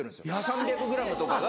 ３００ｇとかが。